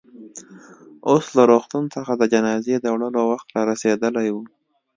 اوس له روغتون څخه د جنازې د وړلو وخت رارسېدلی و.